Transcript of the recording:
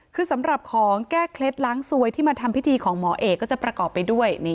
คือสำหรับของแก้เคล็ดล้างซวยที่มาทำพิธีของหมอเอกก็จะประกอบไปด้วย